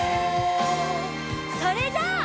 それじゃあ。